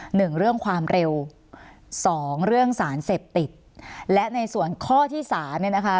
หนึ่งเรื่องความเร็วสองเรื่องสารเสพติดและในส่วนข้อที่สามเนี่ยนะคะ